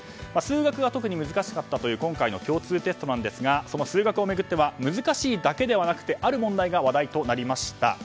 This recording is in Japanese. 数学が特に難しかったという今回のテストですがその数学を巡っては難しいだけではなくてある問題が話題となりました。